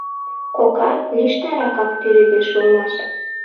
Кока лишныракак тӱредеш улмаш.